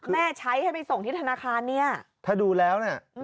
แม่ใช้ให้ไปส่งที่ธนาคารเนี่ยถ้าดูแล้วเนี่ย